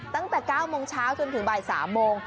ตั้งแต่๙โมงเช้าจนถึงบ่าย๓โมง